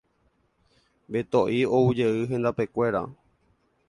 Beto'i oujey hendapekuéra.